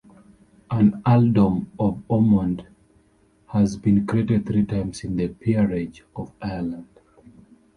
An earldom of Ormond has been created three times in the Peerage of Ireland.